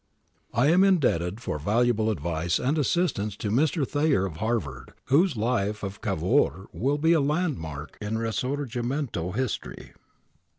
I am indebted for valuable advice and assistance to Mr. Thayer of Harvard, whose life of Cavour will be a landmark in risorginicnto history.